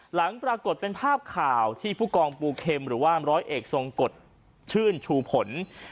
หลังปรากฏเป็นภาพข่าวที่ผู้กองปูเข็มหรือว่าร้อยเอกทรงกฎชื่นชูผล